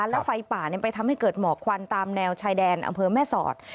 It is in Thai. แล้วไฟป่าไปทำให้เกิดหมอกควันตามแนวชายแดนอำเภอแม่สอด